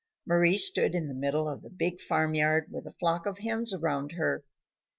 Mari stood in the middle of the big farm yard with a flock of hens around her.